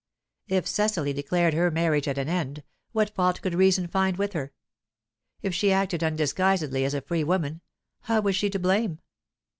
If Cecily declared her marriage at an end, what fault could reason find with her? If she acted undisguisedly as a free woman, how was she to blame?